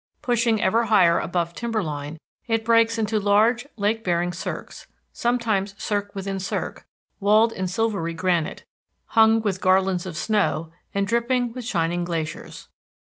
Pushing ever higher above timber line, it breaks into large lake bearing cirques, sometimes cirque within cirque, walled in silvery granite, hung with garlands of snow and dripping with shining glaciers.